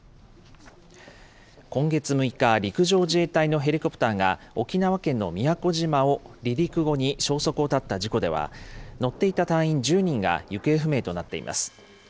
今月６日、陸上自衛隊のヘリコプターが沖縄県の宮古島を離陸後に消息を絶った事故では、乗っていた隊員１０人が行方不明となっています。